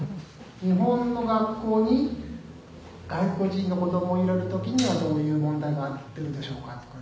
日本の学校に外国人の子供を入れる時にはどういう問題が出るでしょうかっていう。